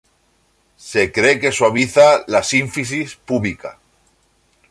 Se cree que suaviza la sínfisis púbica.